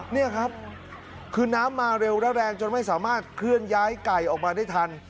นี่ครับคือน้ำมาเร็วและแรงจนไม่สามารถเคลื่อนย้ายไก่ออกมาได้ทัน